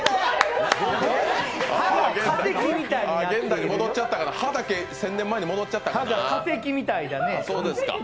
現代に戻っちゃったから歯だけ１０００年前に戻っちゃったかな。